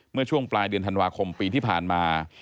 เมื่อช่วงปลายเดือนธันวาคมปีที่ผ่านมา